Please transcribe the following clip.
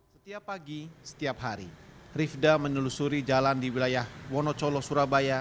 setiap pagi setiap hari rifda menelusuri jalan di wilayah wonocolo surabaya